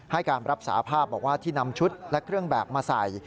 ให้การรับสาภาพบอกว่าที่นำชุดและเครื่องแบบมาใส่